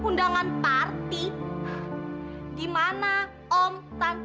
nah itu aja